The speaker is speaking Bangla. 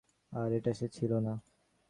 আর এটা সে ছিল না!